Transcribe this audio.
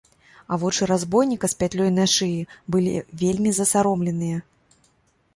А вочы разбойніка з пятлёй на шыі былі вельмі засаромленыя.